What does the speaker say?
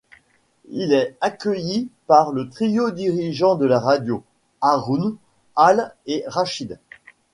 Il est accueilli par le trio dirigeant de la radio, Haroun, Al et Rachid.